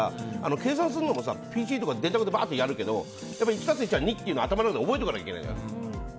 計算するのもＰＣでばーってやるけど１足す１は２っていうのを頭の中で覚えとかないといけないじゃん。